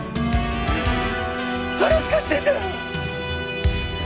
腹すかしてんだ！